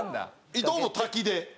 伊藤も滝で？